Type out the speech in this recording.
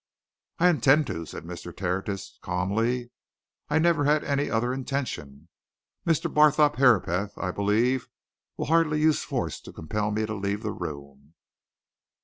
"I intend to," said Mr. Tertius, calmly. "I never had any other intention. Mr. Barthorpe Herapath, I believe, will hardly use force to compel me to leave the room."